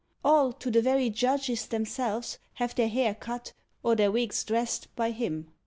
All, to the very judges themselves, have their hair cut, or their wigs dressed, by him.